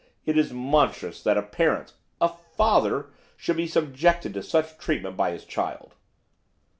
It is monstrous that a parent a father! should be subjected to such treatment by his child.